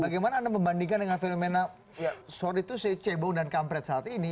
bagaimana anda membandingkan dengan fenomena sorry to say cebong dan kampret saat ini